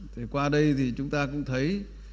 thì qua đây thì chúng ta cũng thấy